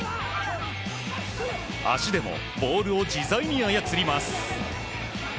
足でもボールを自在に操ります。